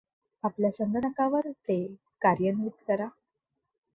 आपल्या संगणकावर ते कार्यान्वित करा.